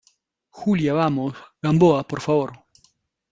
Julia, vamos. Gamboa , por favor .